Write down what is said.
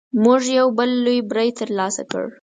موږ یو بل لوی بری تر لاسه کړ.